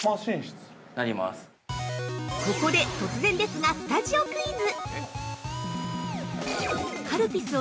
◆ここで突然ですが、スタジオクイズ。